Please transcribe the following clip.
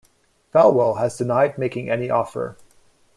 Falwell has denied making any offer.